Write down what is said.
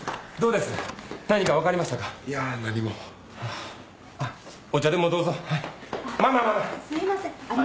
すいません。